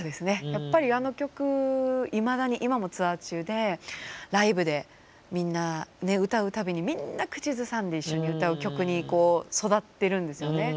やっぱりあの曲いまだに今もツアー中でライブでみんな歌う度にみんな口ずさんで一緒に歌う曲に育ってるんですよね。